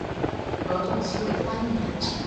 合同期为三年。